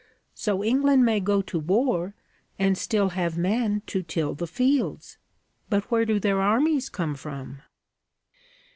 So England may go to war, and still have men to till the fields. But where do their armies come from?'